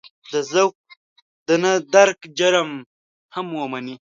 د ذوق د نه درک جرم هم ومني.